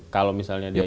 kalau misalnya dia